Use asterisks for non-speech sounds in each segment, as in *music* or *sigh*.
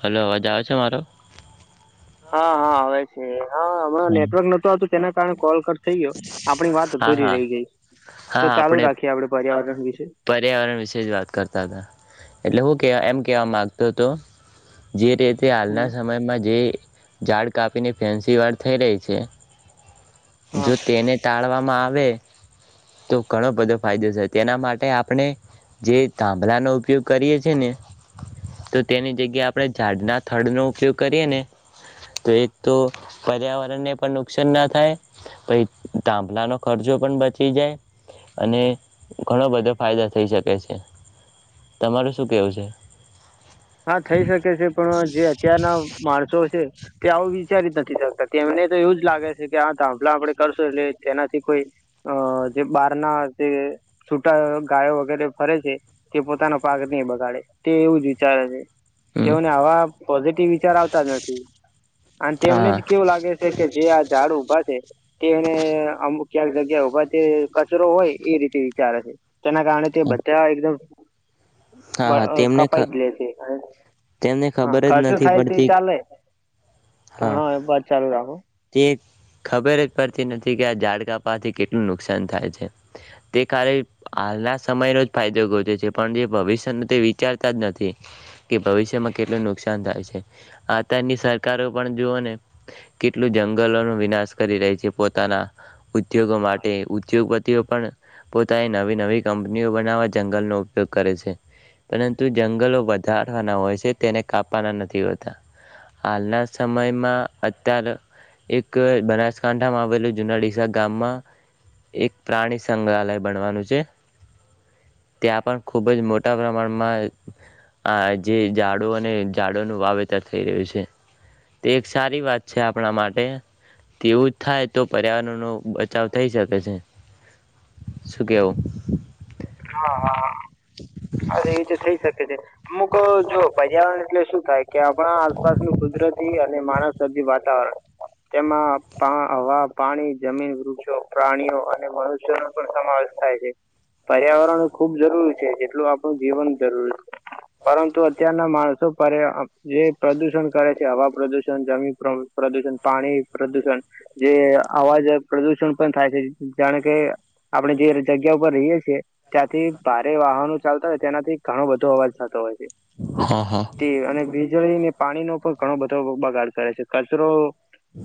Hello અવાજ આવે છે મારો હા હા આવે છે હા હમ નેટવર્ક હા નતું આવતું તેના કારણે કોલ કટ થઈ ગયો આપણી વાત અધુરી હા રહી ગઈ તો હા ચાલુ આપણે રાખીએ આપડે પર્યાવરણ વિશે પર્યાવરણ વિશે જ વાત કરતા હતા એટલે હું કે એમ કેવા માંગતો હતો જે રે તે હમ હાલના સમયમાં જે ઝાડ કાપીને ફેન્સી વાર થઈ રહી છે હા જો તેને ટાળવામાં આ આવે તો ઘણો બધો ફાયદો થાય તેના માટે આપણે જે ધાંભલાનો ઉપયોગ કરીએ છે ને તો તેની જગ્યા આપણે ઝાડના થળ નો ઉપયોગ કરીએ ને તો એક તો પર્યાવરણને પણ નુકસાન ના થાય પછી ધાંભલાનો ખર્ચો પણ બચી જાય અને ઘણો બધો ફાયદો થઈ શકે છે તમાર શું કેવું છે હા થઈ શકે છે પણ જે અત્યારના માણસો છે કે આવું વિચારીજ નથી તેમને તો એવું જ લાગે છે કે આ ધાફલા વડે કરશું એટલે તેનાથી કોઈ અ જે બાર ના જે છૂટા ગાયો વગેરે ફરે છે તે પોતાનો પાક નહી બગાડે તે એવું જ ચાલ અજય હમ તેઓને આવા પોઝિટિવ વિચાર આવતા જ નથી અને તેમને જ હા કેવું લાગે છે કે જે આ ઝાડ ઊભા છે તેને અમુક ક્યાંક જગ્યા ઉભા તે કચરો હોય એ રીતે વિચારે છે તેના કારણે તે બધા હમ હા હા તેમને હાય તેમને હા ખબર જ ખર્ચો નથી થાય ત પડતી ચાલે તો હા બસ ચાલુ રાખો તે ખબર જ પડતી નથી કે આ ઝાડ કાપવાથી કેટલું નુકસાન થાય છે તે કારણે હાલના સમયનો જ ફાયદો ગોતે છે પણ જે ભવિષ્યને તે વિચારતા જ નથી કે ભવિષ્યમાં કેટલું નુકસાન થાય છે આત્યારની સરકારો પણ જુઓ ને કેટલું જંગલોનો વિનાશ કરી રહી છે પોતાના ઉદ્યોગો માટે ઉદ્યોગપતિઓ પણ પોતાએ નવી નવી કંપનીઓ બનાવવા જંગલનો ઉપયોગ કરે છે પરંતુ જંગલો કાઢવાનાહોય છે તેને કાપવાના નથી હોતા હાલના સમયમાં અત્યારે એક બનાસકાંઠામાં આવેલું જુનાડીસા ગામમાં એક પ્રાણી સંગ્રહાલય બનવાનું છે ત્યાં પણ ખૂબ જ મોટા પ્રમાણમાં આ જે ઝાડો અને ઝાડોનું વાવેતર થઈ રહ્યું છે તે એક સારી વાત છે આપણા માટે તેવું જ થાય તો પર્યાવરણ નો બચાવ થઈ શકે છે શું કેવું હા હા અરે એ છે થઈ શકે છે અમુક જો પજારણ એટલે શું થાય કે આપણા આસપાસ નું કુદરતી અને માનવ વાતાવરણ તેમાં હવા પાણી જમીન વૃક્ષો પ્રાણીઓ અને મનુષ્યો ન પણ સમાવેશ થાય છે. પર્યાવારણ જરૂરી છે જેટલું આપણું જીવન જરૂર છે પરંતુ અત્યારના માણસો પર જે પ્રદુષણ કરે છે હવા પ્રદુષણ જમીન પ્રદુષણ પાણી પ્રદુષણ જે અવાજ પ્રદુષણ પણ થાય છે જાણે કે આપણે જે જગ્યા ઉપર રહીએ છીએ. ત્યાંથી ભારે વાહનો ચાલતા હોય તે્યાનાથી ઘણો બધો અવાજ થતો હોય છે. હા હા તે અને વિજળીને પાણીનો પર ઘણો બધો બગાડ કરે છે કચરો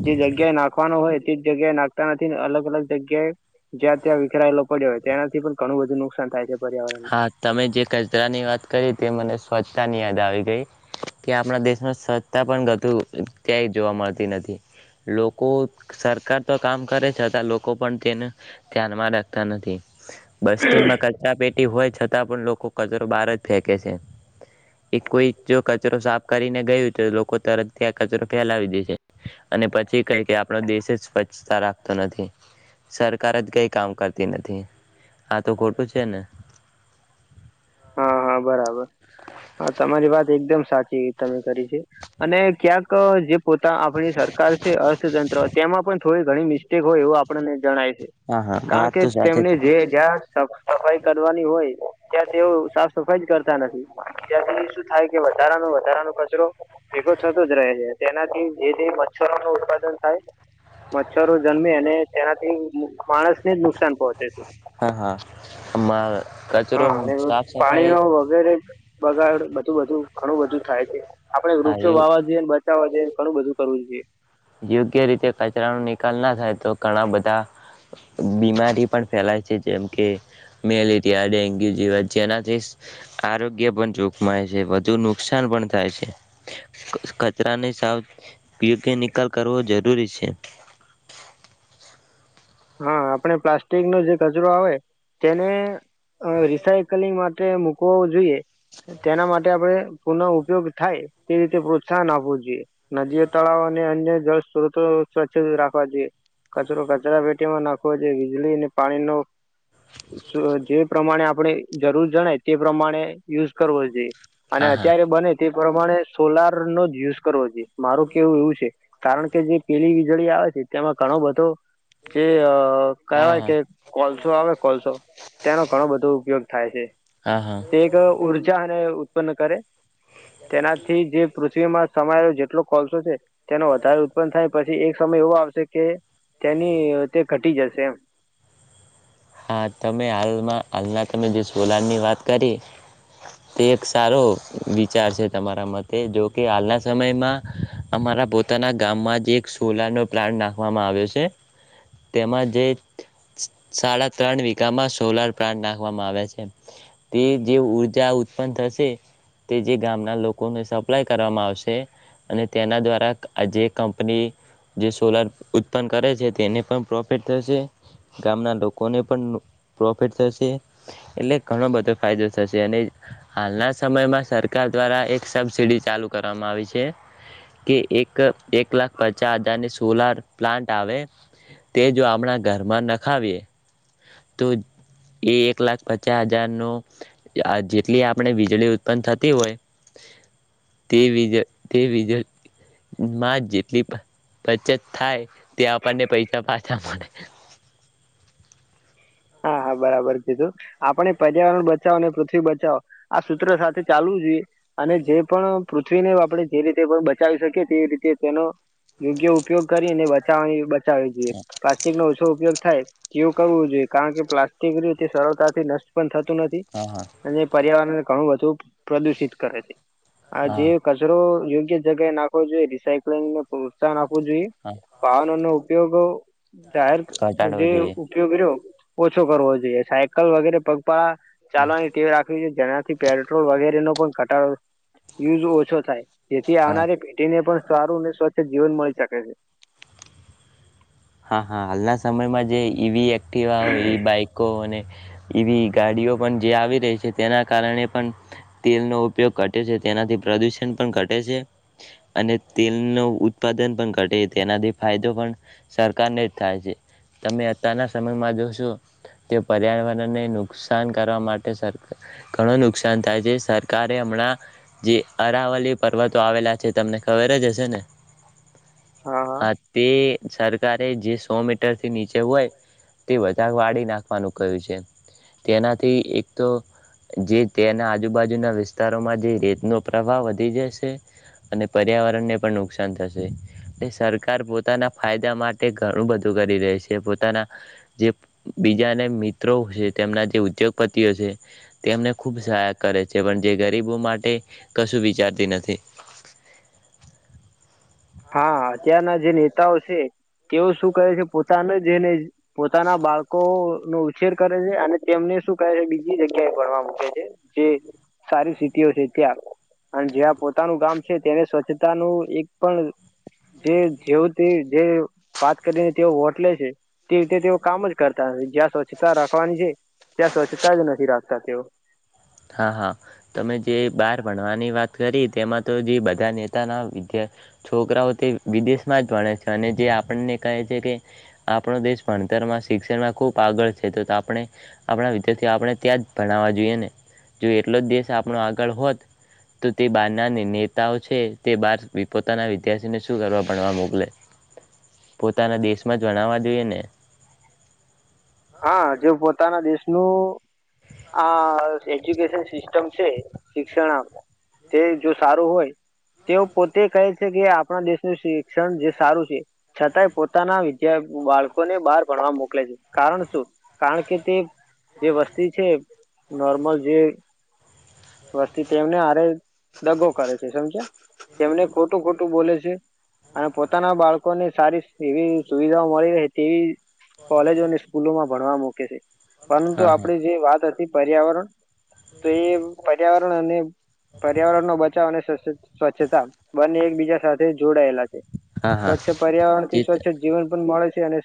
જે જગ્યા એ નાખવાનો હોય, જગ્યાએ નાખતા નથી ને અલગ અલગ જગ્યાએ જ્યાં ત્યાં વિખરાયેલો પડ્યો હોય ત્યાંથી પણ ઘણું બધું ન થાય છે. હા તમે જે કચરા ની વાત કરી તે મને સ્વચ્છતાની યાદ આવી ગઈ કે આપણા દેશમાં સ્વચ્છતા પણ ઘણું ક્યાંય જોવા મળતી નથી લોકો સરકાર તો કામ કરે છતાં લોકો પણ તેને ધ્યાનમાં રાખતા નથી. બસ ટેન્ટ માં કરર્ચા પે હોય છતાં પણ લોકો કચરો બહાર જ ફેંકે છે એ કોઈ જો કચરો સાફ કરીને ગયું તો લોકો તરતથી આ કચરો ફેલાવી દે છે અને પછી કઈ કે આપણો દેશ જ સ્વચ્છતા રાખતો નથી સરકાર જ કે કામ કરતી નથી આ તો ખોટું છે ને. હા હા બરાબર હા તમારી વાત એકદમ સાચી તમે કરી અને ક્યાંક જે પોતા આપણી સરકાર છે અર્થતંત્ર તેમાં પણ થોડી ઘણી મિસ્ટેક હોય એવું આપડને જણાય છે. હા હા કારણ વાત કે તો સાચી તેમને જે જ્યાંફ સફાઈ કરવાની હોય. ત્યાં તેઓ સાફ સફાઈ જ કરતા નથી ત્યાં તે શું થાય કે વધારાનો વધારાનો કચરો ભેગો થતો જ રહે છે. તેનાથી જે તે મચ્છરો નો ઉત્પાદન થાય મચ્છરો જન્મે અને તેનાથી માણસને જ નુકસાન પહોંચે છે હા હા. માં કચરો હા અને સાફ પાણી સફાઈ નો વગેરે બગાડ બધું બધું ઘણું બધું થાય છે આપણે હા વૃક્ષો વાવા જોઈએ બચાવવા જોઈએ ણુ બધું કરવું જોઈએ યોગ્ય રીતે કચરા નિક ના થાય તો ઘણા બધા બીમારી પણ ફેલાય છે જેમ કે મેલેરિયા ડેન્ગ્યુ જેવા જેનાથી આરોગ્ય પણ જોખમાય છે વધુ નુકસાન પણ થાય છે કચરાની સાવ લ કરવો જરૂરી છે. હા આપડ પ્લાસ્ટિક નો જે કચરો આવે તેને હ રિસાઈકલીગ મા મકું જોઈએ તેના માટે આપણે પુનઃ ઉપયોગ થાય તે રીતે પ્રોત્સાહન આપવું જોઈએ નદીએ તળાવ અને અન્ય જળ સ્ સ્વચ્છ રાખવા જોઈએ કચરો કચરા નાખ જો વીજળી અને પાણીનો જે પ્રમાણે આપણે જરૂર જણાય તે પ્રમાણે યુઝ કરવો જોઈએ. અને હા હા અત્યારે બને તે પ્રમાણે સોલાર નો જ યુઝ કરવો જોઈએ મારું કેવું એવું છે કારણ કે જે પેલી વીજળી આવે છે તેમાં ઘણો બધો જે હા કહેવાય હા કે કોલસો આવે કોલસો તેનો ઘણો બધો ઉપયોગ થાય છે હા હા તે એક ઉર્જા અને ઉત્પન્ન કરે તેનાથી જે પૃથ્વીમાં સમય જેટલો કોલસો છે તેનો વધારે ઉત્પન્ન થાય પછી એક સમય એવો આવશે કે એની તે ઘટી જશે એમ હા તમે હાલમાં હાલના તમે જે સોલારની વાત કરી તે એક સારો વિચાર છે તમારા મતે જોકે હાલના સમયમાં અમારા પોતાના ગામમાં જ એક સોલારનોો પ્લાન્ટ નાખવામાં આવ્યો છે તેમાં જે શળા ત્રણ વીકાામાં સોલાર પ્લાન્ટ નાખવામાં આવે છે તે જે ઉઊર્જા ઉત્પન્ન થશે તે જે ગામના લોકોને સપ્લાય કરવામાં આવશે અને તેના દ્વારા આ જે કંપની જે સોલાર ઉત્પન્ન કરે છે તેને પણ પ્રોફિટ થશે ગામના ડ કોને પણ પ્રોફિટ થશે એટલે ઘણો બધો ફાયદો થશે અને હાલના સમયમાં સરકાર દ્વારા એક સબસીિડી ચાલુ કરવામાં આવી છે કે એક એક લાખ પચાસ હજારની સોલાર પ્લાન્ટ આવે તે જો આપણા ઘરમાં નખાવીએ તો એ એક લાખ પચાસ હજાર નું જેટલી આપણે વીજળી ઉત્પન્ન થતી હોય તેજ તે વીજળીમાં જેટલી બચત થાય તે આપણને પૈસા પાછા મળે હા હા બરાબર કીધું આપણે પર્યાવરણ બચાવો અને પૃથ્વી બચાવો આ સૂત્ર સાથે ચાલવું જોઈએ અને જે પણ પૃથ્વીને આપણે જે રીતે પણ બચાવી શકીએ તે રીતે તેનો યોગ્ય ઉપયોગ કરીને *inaudible* ઈએ પ્લાસ્ટિક નો ઓછો ઉપયોગ થાય કું કરવું જોઈએ કારણ કે પ્લાસ્ટિક જે સરળતાથી નષ્ટ પણ થ નથી હા હા અને પર્યાવરણ ઘણું બધું પ્રદુષિત કરે છે આ જીવ હા કસરો યોગ્ય જગ નાખો જોઈએ રિસાયક્લિંગને પ્રોત્સાહન આપ આપવું જોઈએ હા વાાવનો નો ઉપયોગ જાહેર ઘટાડવો જે જોઈએ ઓછો કરવો જોઈએ સાયકલ વગેરે પગ હા ચાલવાની ટવી રાખવી છે જેનાથી પેટ્રોલ વગેરેનોો પણ ઘટાડો યુઝ ઓછો થાય જેથી આવનારી પેટીને પણ સારું અનેને સ્વચ્છ જીવન મળી શકે છે હા હા હાલના સમયમાં જે ઈવી તેવા હોય એ બાઈકો અને એવી ગાડીઓ પણ જે આવી રહી છે તેના કારણે પણ તેલનો ઉપયોગ ઘટે છે તેનાથી પ્રદુષણ પણ ઘટે છે અને તેલ ન ઉત્પાદન પણ ઘટે છે તેનાથી ફાયદો પણ સરકારને જ થાય છે તમે અત્યારના સમયમાં જોશો કે પર્યાવરણને નુકસાન કરવા માટે સર ઘણું નુકસાન થાય છે સરકારે હમણાં જે અરાવલી પર્વતો આવેલા છે તમને ખબર જ હશે ને હા તે સારું તારે જે સો મીટર થી નીચે હોય તે વધારે વાળી નાખવાનું કહ્યું છે. તેનાથી એક તો જે તેના આજુબાજુના વિસ્તારોમાં જે રેત નો પ્રભાવ વધી જશે અને પર્યાવરણને પણ નુકસાન થશે ને સરકાર પોતાના ફાયદા માટે તે ઘણું બધું કરી રહી છે. પોતાના જે બીજાને મિત્રો છે તેમના જે ઉદ્યોગપતિઓ છે તેમને ખુબ સહાય કરે છે. પણ જે ગરીબો માટે કશું વિચારતી નથી. હા અત્યારના જે નેતાઓ છે તેઓ શું કહે છે પોતાને જે ને પોતાના બાળકો નો ઉછેર કરે છે. અને તેમને શું કહે છે બીજી જગ્યાએ ભણવા મૂકે છે. જે સારી સિટીઓ છે ત્યાં અને જ્યાં પોતાનું ગામ છે તેને સ્વચ્છતાનું એક પણ જે જેવ જે વાત કરીને તેઓ વોટ લે છે તે રીતે તેઓ કામ જ કરતા નથી. જ્યાં સ્વચ્છતા રાખવાની છે ત્યાં સ્વચ્છતા જ નથી રાખતા તેઓ હા હા તમે જે બાર ભણવાની વાત કરી તેમાં તો જે બધા નેતાના વિદ્યા છોકરાઓ તે વિદેશમાં જ ભણે છે. અને જે આપણને કહે છે કે આપણો દેશ ભણતરમાં શિક્ષણમાં ખૂબ આગળ છે. તો તો આપણે આપણા વિદ્યાર્થીઓ આપણે ત્યાં જ ભણાવવા જોઈએ ને જો એટલો જ દેશ આપણો આગળ હોત તો તે બારના નેતાઓ છે તે બાર પોતાના વિદ્યાર્થીને શું કરવા ભણવા મોકલે પોતાના દેશમાં જ ભણાવવા જોઈએ ને હા જે પોતાના દેશ નું આ એજ્યુકેશન સિસ્ટમ છે. શિક્ષણ તે જો સારું હોય તેઓ પોતે કહે છે કે આપણા દેશનું શિક્ષણ જે સારું છે છતાંય પોતાના વિદ્યા બાળકોને બહાર ભણવા મોકલે છે. કારણ શું કારણ કે તે જે વસ્તી છે. નોર્મલ જે વસ્તી તેમને હારે દગો કરે છે સમજયા. તેમને ખોટું ખોટું બોલે છે અને પોતાના બાળકોને સારી એવી સુવિધાઓ મળી રહે તેવી કોલેજો અને સ્કૂલોમાં ભણવા મૂકે છે. પરંતુ હા આપડે હા જે વાત હતી પર્યાવરણ તેવ પર્યાવરણ અને પર્યાવરણ નો બચાવ અને સ સ્વચ્છતા બને એકબીજા સાથે જોડાયેલા છે. હા હા સ્વચ્છ પર્યાવરણ થી જે સ્વચ્છ જીવન પણ મળે છે.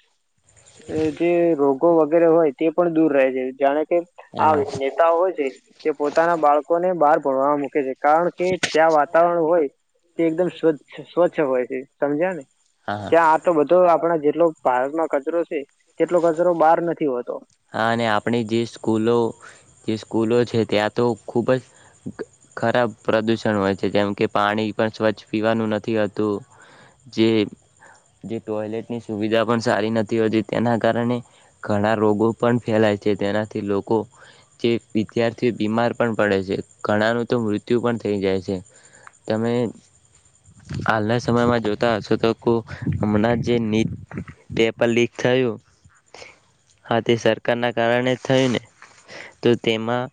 *inaudible* એ જે રોગ ગો વગેરે હોય તે પણ દૂર રહે છે. જાણે કે આ હા નેતા હોય છે તે પોત બાળકોને બહાર ભણવા મૂકે છે. કારણ કે ત્યાં વાતાવરણ હોય તે એકદમ સ્વચ્છ સ્વચ્છ હોય છે. સમજયા ને હા હા ત્યાં આ તો બધું આપણા જે એટલો ભારતમાં કચરો છે. કેટલોક કચરો બહાર નથી હોતો. હા અને આપણે જે સ્કૂલો જે સ્કૂલો છે ત્યાં તો ખૂબ જ ખરાબ પ્રદૂષણ હોય છે જેમ કે પાણી પણ સ્વચ્છ પીવાનું નથીતું. જે ટોયલેટની સુવિધા પણ સારી નથી હોતી તેના કારણે ઘણા રોગો પણ ફેલાય છે તેનાથી લોકો જે વિદ્યાર્થી બીમાર પણ પડે છે ઘણાનું તો મૃત્યુ પણ થઈ જાય છે તમે હાલના સમયમાં જોતા હશો તો હમણાં જે પેપર લીક થયું તે સરકારના કારણે થયુંને તો તેમાં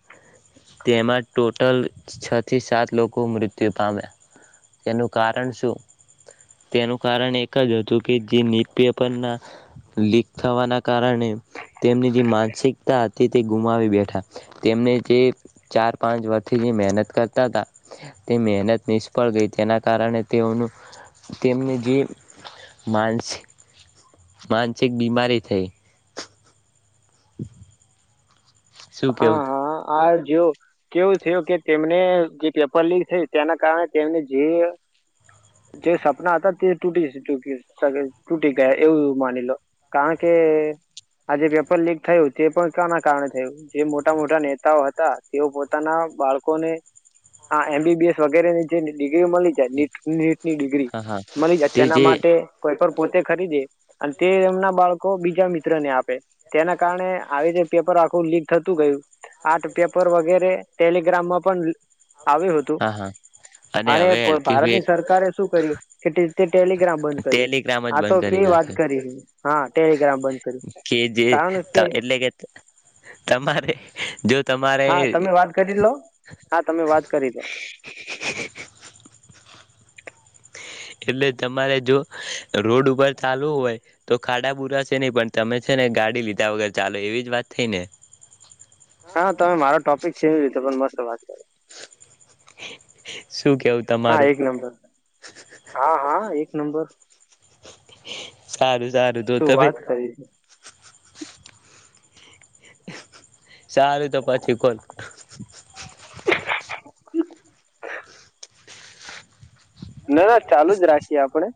તેમાં ટોટલ છ થી સાત લોકો મૃત્યુ પામ્યા તેનું કારણ શું તેનું કારણ એક જ હતું કે જે ન્યૂઝ પેપરના લીક થવાના કારણે તેમની જે માનસિકતા હતી તે ગુમાવી બેઠા તેમને જે ચાર પાંચ વર્ષથી જે મહેનત કરતા હતા તે મહેનત નિષ્ફળ ગઈ તેના કારણે તેઓનું તેમની જે માનસ માનસિક બીમારી થઈ. *inaudible* હા કેવું હા આ. જે કેવું થયું કે તેમને જે પેપર લીક થયું તેના કારણે તેમને જે જે સપના હતા તે તૂટીૂટી તૂટી ગયા એવું માની લો કારણ કે આજે પેપર લીક થયું તે પણ કના કારણે થયું. જે મોટા મોટા નેતાઓ હતા તેઓ પોતાના બાળકોને એમબીબીએસ વગેરેની જે. ્રી મળી જાય નીટની ડિગ્રી હા હા મળી જાય તે તેના જે માટે કોઈ પોતે ખરીદે અને તે એમના બાળકો બીજા મિત્રને આપે તેના કારણે આવી જે પેપર આખું લીક થતું ગયું આર્ટ પેપર વગેરે ટેલિગ્રામ માં પણ આવ્યું હતું હા હા અને હવે એલકે ભારતની સરકારે શું કર્યું કે ટેલિગ્રામ બંધ કર્યું ટેલિગ્રામ જ આ તો બંધ કરી કેવી વાત નાખ્યો કરી હતી હા ટેલિગ્રામ બંધ કર્યું કે જે કારણ કે તમારે જો તમારે હા તમે એટલે વાત કરી લો હા તમે વાત કરી લો. એટલે તમારે જો રોડ ઉપર ચાલવું હોય તો ખાડા પુરાશે નઈ પણ તમે છે ને ગાડી લીધા વગર ચાલો એવી જ વાત થઈ ને હા તમે મારો ટોપિક છે એવી રીતે પણ મસ્ વાદ કર *inaudible* હા તમારું એક નંબર હા હા એક- નંબર. સારુ. શું વાત કરી છે. *inaudible* સારું તો પછી કોલ ના ના ચાલુ જ રાખીએ આપણે.